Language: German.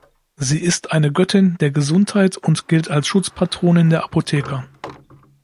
Sie ist eine Göttin der Gesundheit und gilt als Schutzpatronin der Apotheker.